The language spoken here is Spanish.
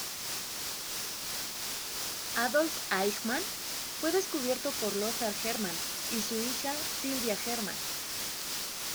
Adolf Eichmann fue descubierto por Lothar Hermann y su hija Silvia Hermann.